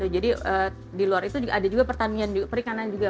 di luar itu ada juga pertanian perikanan juga